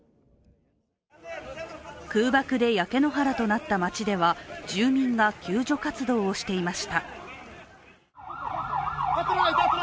空爆で焼け野原となった町では住民が救助活動をしていました。